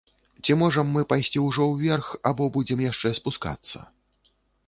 Ці можам мы пайсці ўжо ўверх, або будзем яшчэ спускацца?